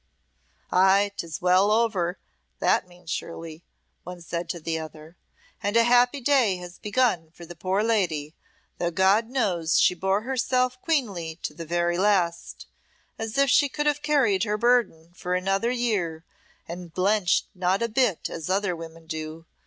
"Ay, 'tis well over, that means surely," one said to the other; "and a happy day has begun for the poor lady though God knows she bore herself queenly to the very last, as if she could have carried her burden for another year, and blenched not a bit as other women do.